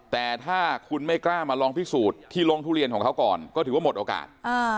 แต่ถ้าคุณไม่กล้ามาลองพิสูจน์ที่โรงทุเรียนของเขาก่อนก็ถือว่าหมดโอกาส